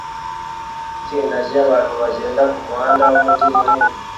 Itsinda ryabantu bagenda kumuhanda wumujyi munini